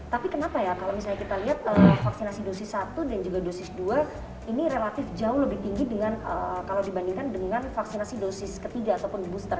tapi kenapa ya kalau misalnya kita lihat vaksinasi dosis satu dan juga dosis dua ini relatif jauh lebih tinggi kalau dibandingkan dengan vaksinasi dosis ketiga ataupun booster